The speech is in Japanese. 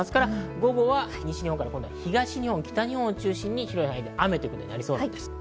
午後は西日本から東日本、北日本を中心に広い範囲で雨となりそうです。